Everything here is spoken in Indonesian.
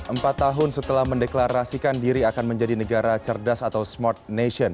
empat tahun setelah mendeklarasikan diri akan menjadi negara cerdas atau smart nation